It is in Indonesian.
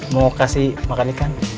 mau kasih makan ikan